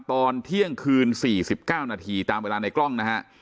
ตอนเที่ยงคืนสี่สิบเก้านาทีตามเวลาในกล้องนะฮะ